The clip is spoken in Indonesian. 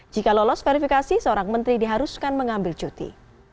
jika lolos verifikasi seorang menteri diharuskan mengambil cuti